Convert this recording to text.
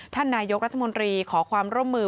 ท่านนายกรัฐมนตรีขอความร่วมมือ